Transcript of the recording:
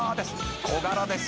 「小柄です。